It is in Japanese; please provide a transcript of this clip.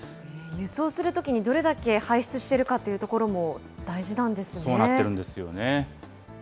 輸送するときにどれだけ排出しているかというところも大事なそうなってるんですよね。